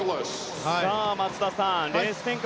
松田さん、レース展開